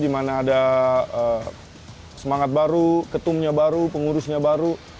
di mana ada semangat baru ketumnya baru pengurusnya baru